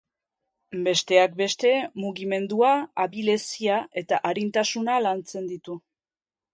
Besteak beste mugimendua, abilezia eta arintasuna lantzen ditu.